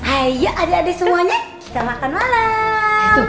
ayo adik adik semuanya kita makan malam